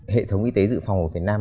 hệ thống y tế dự phòng của việt nam